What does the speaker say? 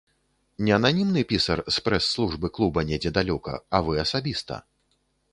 Не ананімны пісар з прэс-службы клуба недзе далёка, а вы асабіста.